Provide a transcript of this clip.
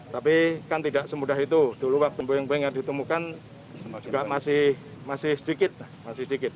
tapi kan tidak semudah itu dulu waktu puing puing yang ditemukan juga masih sedikit masih sedikit